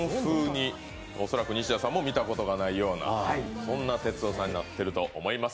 恐らく西田さんも見たことがないような、そんな哲夫さんになっていると思います。